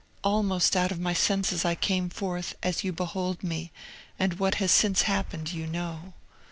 Almost out of my senses I came forth, as you behold me; and what has since happened you know.